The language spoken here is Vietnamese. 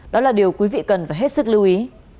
đó là điều quý vị cần phải hết sức lưu ý